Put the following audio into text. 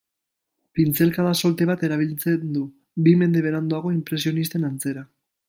Pintzelkada solte bat erabiltze du, bi mende beranduago inpresionisten antzera.